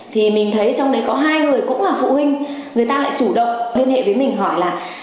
thì mình thấy trong đấy có hai người cũng là phụ huynh người ta lại chủ động liên hệ với mình hỏi là